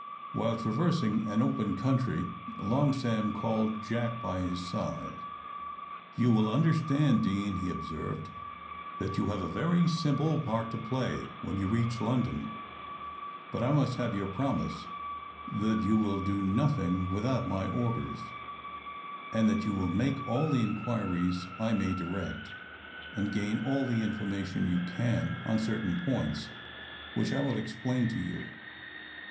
While traversing an open country, Long Sam called Jack by his side. "You will understand, Deane," he observed, "that you have a very simple part to play when you reach London; but I must have your promise that you will do nothing without my orders, and that you will make all the inquiries I may direct, and gain all the information you can on certain points which I will explain to you.